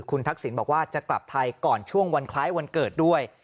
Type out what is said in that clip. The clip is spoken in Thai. คุณทักษิณบอกว่าจะกลับไทยก่อนช่วงวันคล้ายวันเกิดด้วย